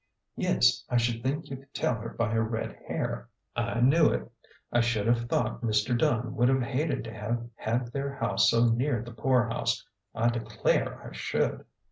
" Yes. I should think you could tell her by her red hair." " I knew it. I should have thought Mr. Dunn would have hated to have had their house so near the poor house. I declare I should